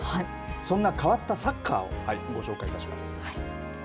そんな変わったサッカーを、ご紹介いたします。